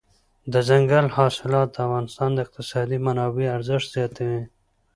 دځنګل حاصلات د افغانستان د اقتصادي منابعو ارزښت زیاتوي.